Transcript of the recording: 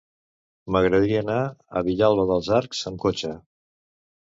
M'agradaria anar a Vilalba dels Arcs amb cotxe.